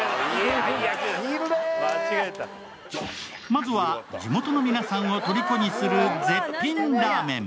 まずは地元の皆さんをとりこにする絶品ラーメン。